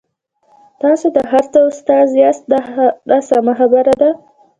تاسو د هر څه استاد یاست دا سمه خبره ده.